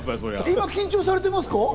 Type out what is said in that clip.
今、緊張されてますか？